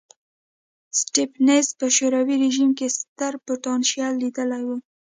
سټېفنس په شوروي رژیم کې ستر پوتنشیل لیدلی و.